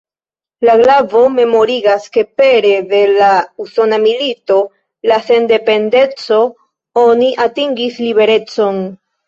La glavo memorigas ke pere de la Usona Milito de Sendependeco oni atingis liberecon.